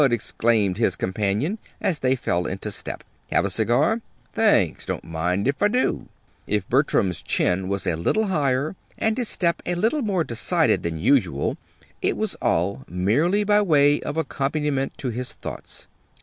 exclaimed his companion, as they fell into step. "Have a cigar?" "Thanks. Don't mind if I do." If Bertram's chin was a little higher and his step a little more decided than usual, it was all merely by way of accompaniment to his thoughts.